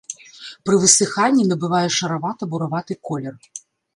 Пры высыханні набывае шаравата-бураваты колер.